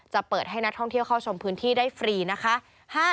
จะเปิดให้นักท่องเที่ยวเข้าชมพื้นที่ได้ฟรีนะคะ